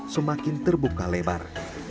semakin terbuka lebar